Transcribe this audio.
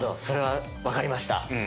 それは分かりました。